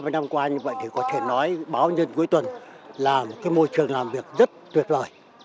ba mươi năm qua như vậy thì có thể nói báo nhân dân cuối tuần là một môi trường làm việc rất tuyệt lời